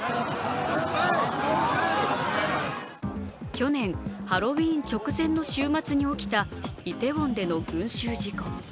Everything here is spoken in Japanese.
去年、ハロウィーン直前の週末に起きたイテウォンでの群集事故。